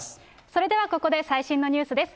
それではここで最新のニュースです。